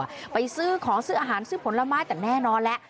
ก็ไปซื้อของอาหารซื้อผลไม้